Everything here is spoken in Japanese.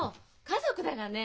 家族だがね。